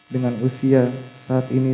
dengan usia saat ini